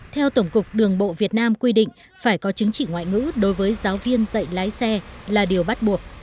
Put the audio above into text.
theo tổng cục đường bộ việt nam quy định phải có chứng chỉ ngoại ngữ đối với giáo viên dạy lái xe là điều bắt buộc